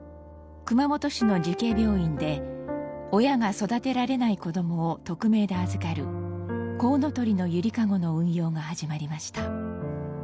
熊本市の慈恵病院で親が育てられない子どもを匿名で預かるこうのとりのゆりかごの運用が始まりました。